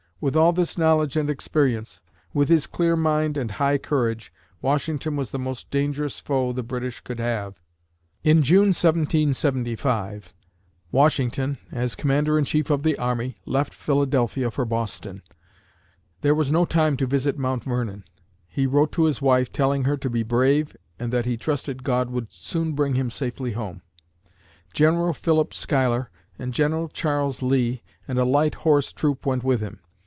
With all this knowledge and experience, with his clear mind and high courage, Washington was the most dangerous foe the British could have. In June (1775), Washington, as Commander in Chief of the army, left Philadelphia for Boston. There was no time to visit Mount Vernon. He wrote to his wife, telling her to be brave and that he trusted God would soon bring him safely home. General Philip Schuyler and General Charles Lee and a light horse troop went with him.